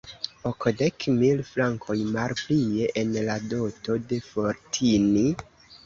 Okdek mil frankoj malplie en la doto de Fotini?